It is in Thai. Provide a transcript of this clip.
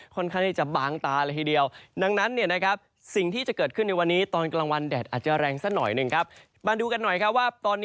ค่อนข้างที่จะบางตาเลยทีเดียว